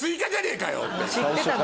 知ってたのよ。